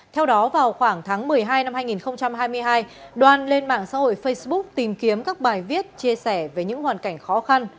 theo đó vào khoảng tháng một mươi hai năm hai nghìn hai mươi hai đoan lên mạng xã hội facebook tìm kiếm các bài viết chia sẻ về những hoàn cảnh khó khăn